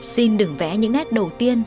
xin đừng vẽ những nét